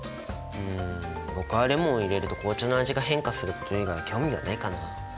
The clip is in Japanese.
うん僕はレモンを入れると紅茶の味が変化すること以外興味がないかなあ。